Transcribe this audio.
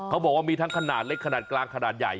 เขาบอกว่ามีทั้งขนาดเล็กขนาดกลางขนาดใหญ่